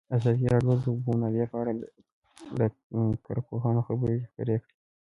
ازادي راډیو د د اوبو منابع په اړه د کارپوهانو خبرې خپرې کړي.